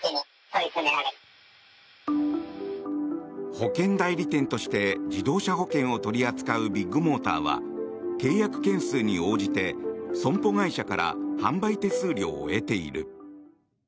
保険代理店として自動車保険を取り扱うビッグモーターは契約件数に応じて損保会社から販売手数料を得ている。